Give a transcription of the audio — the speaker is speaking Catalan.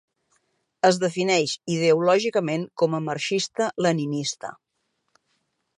Es defineix ideològicament com a marxista-leninista.